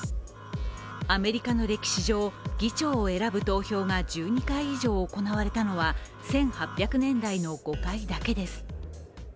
アメリカの歴史上、議長を選ぶ投票が１２回以上行われたのは１８００年代の５回だけです。